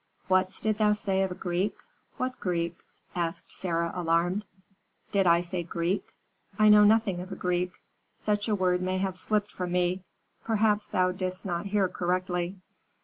"What didst thou say of a Greek? What Greek?" asked Sarah, alarmed. "Did I say Greek? I know nothing of a Greek. Such a word may have slipped from me; perhaps thou didst not hear correctly."